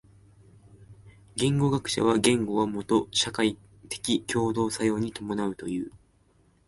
言語学者は言語はもと社会的共同作用に伴うという。